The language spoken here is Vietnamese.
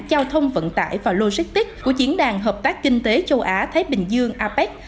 giao thông vận tải và logistics của diễn đàn hợp tác kinh tế châu á thái bình dương apec